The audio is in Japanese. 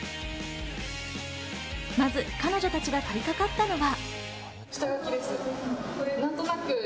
まず彼女たちがとりかかったのは。